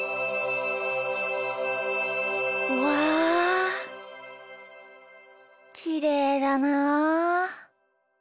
うわきれいだな。